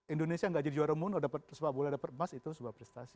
indonesia nggak jadi juara umum sepak bola dapat emas itu sebuah prestasi